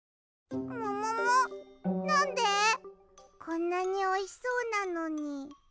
こんなにおいしそうなのに。